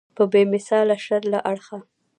په بې مثاله شر له اړخه.